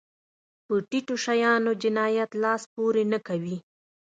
په ټيټو شیانو جنایت لاس پورې نه کوي.